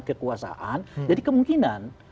kekuasaan jadi kemungkinan